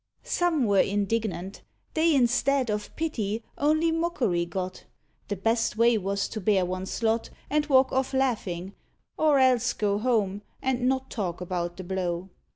Some were indignant; they, instead Of pity, only mockery got. The best way was to bear one's lot, And walk off laughing; or else go Home, and not talk about the blow.